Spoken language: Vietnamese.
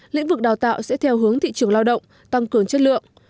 lĩnh vực đào tạo sẽ theo hướng thị trường lao động tăng cường chất lượng